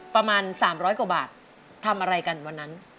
ประมาณ๓๐๐กว่าบาททำอะไรกันวันนั้น